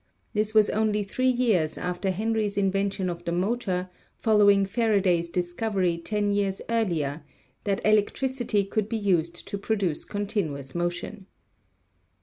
This was only three years after Henry's inven tion of the motor, following Faraday's discovery, ten 280 ELECTRIC RAILWAYS 281 years earlier, that electricity could be used to produce continuous motion.